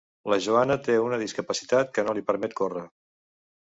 La Joana té una discapacitat que no li permet córrer.